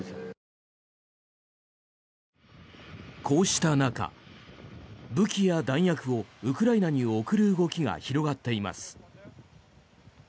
こうした中、武器や弾薬をウクライナに送る動きが広がっています。